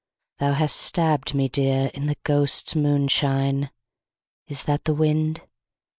Thou hast stabbed me dear. In the ghosts' moonshine. Is that the wind